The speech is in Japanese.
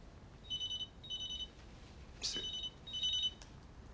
失礼。